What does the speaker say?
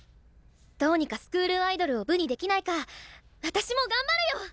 どうにかスクールアイドルを部にできないか私も頑張るよ！